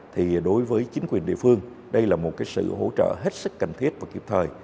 thì đối với chính quyền địa phương đây là một sự hỗ trợ hết sức cần thiết và kịp thời